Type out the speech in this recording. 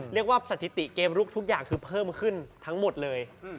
สถิติเกมลุกทุกอย่างคือเพิ่มขึ้นทั้งหมดเลย